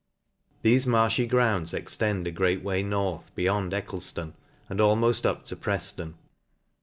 Thefe mar(hy grounds ex tend a great way north, beyond EccleJlon y and almoft up to Preflon.